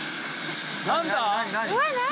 何だ？